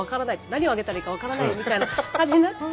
何をあげたらいいか分からないみたいな感じになって。